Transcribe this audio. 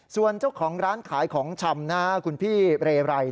ส่วนเจ้าของร้านขายของชำคุณพี่เรไร